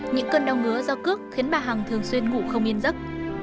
những cơn đau ngứa do cướp khiến bà hằng thường xuyên ngủ không yên giấc